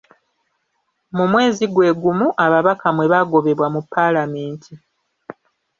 Mu mwezi gwe gumu ababaka mwe baagobebwa mu paalamenti.